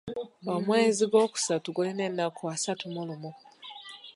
Omwezi gwokusatu gulina ennaku asatu mu lumu.